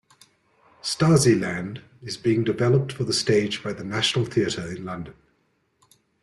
"Stasiland" is being developed for the stage by The National Theatre in London.